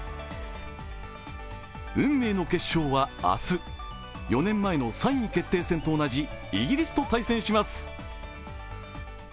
運命の決勝は明日４年前の３位決定戦と同じイギリスと対戦します。